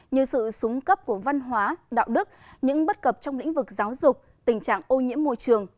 như sự súng cấp của văn hóa đạo đức những bất cập trong lĩnh vực giáo dục tình trạng ô nhiễm môi trường